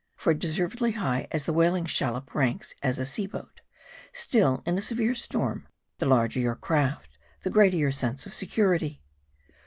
For deservedly high as the whale shallop ranks as a sea boat ; still, in a severe storm, the larger your craft the greater your sense of security.